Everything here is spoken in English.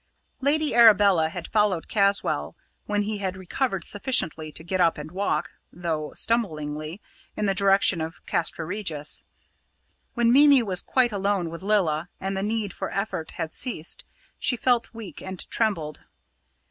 Lady Arabella had followed Caswall, when he had recovered sufficiently to get up and walk though stumblingly in the direction of Castra Regis. When Mimi was quite alone with Lilla and the need for effort had ceased, she felt weak and trembled.